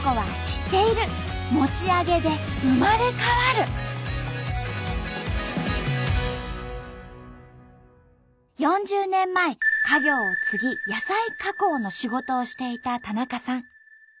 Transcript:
すごい！４０年前家業を継ぎ野菜加工の仕事をしていた田中さん。